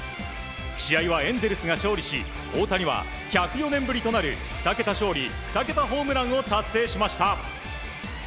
試合はエンゼルスが勝利し大谷は１０４年ぶりとなる２桁勝利２桁ホームランを達成しました。